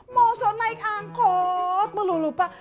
mosok naik angkot melulu pak